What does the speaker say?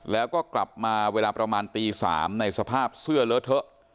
แล้วก็กลับมาเวลาประมาณตี๓ในสภาพเสื้อเลอะเทอะ